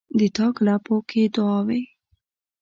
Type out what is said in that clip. د تاک لپو کښې دعاوې،